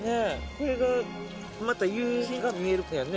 これがまた夕日が見えるとやんね